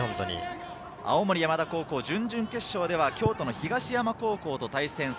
青森山田高校、準々決勝では京都の東山高校と対戦。